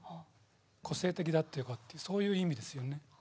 個性的だっていうことそういう意味ですよね。